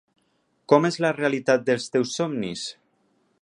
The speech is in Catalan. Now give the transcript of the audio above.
Com és la realitat dels teus somnis?